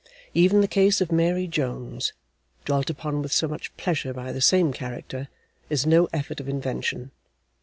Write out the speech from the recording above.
Even the case of Mary Jones, dwelt upon with so much pleasure by the same character, is no effort of invention.